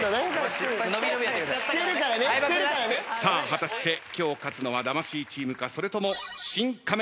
果たして今日勝つのは魂チームかそれともシン・仮面ライダーか？